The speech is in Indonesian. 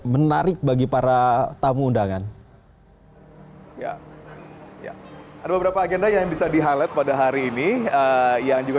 menarik bagi para tamu undangan ya ya ada beberapa agenda yang bisa di highlight pada hari ini yang juga